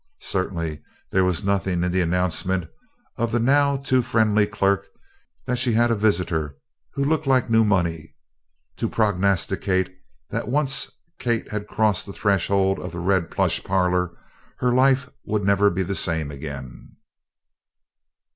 Certainly there was nothing in the announcement of the now too friendly clerk that "she had a visitor who looked like new money," to prognosticate that once Kate had crossed the threshold of the red plush parlor, her life would never be the same again.